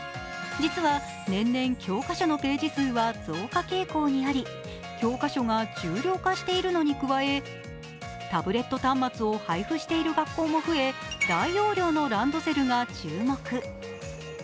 実は年々、教科書のページ数は増加傾向にあり教科書が重量化しているのに加えタブレット端末を配布している学校も増え大容量のランドセルが注目。